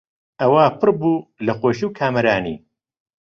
ئەوا پڕ بوو لە خۆشی و کامەرانی